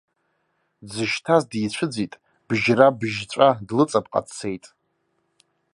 Дзышьҭаз дицәыӡит, бжьра-быжьҵәа длыҵапҟа дцеит.